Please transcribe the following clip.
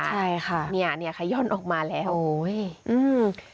ใช่ค่ะเนี่ยขย่อนออกมาแล้วโอ้ยอืม